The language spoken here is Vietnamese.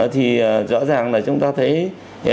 thì rõ ràng là chúng ta thấy